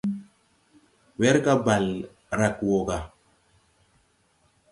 Werga bale rag wɔ ga.